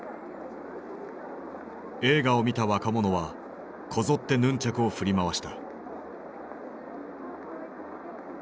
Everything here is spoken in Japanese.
映画を見た若者はこぞってヌンチャクを振り回した。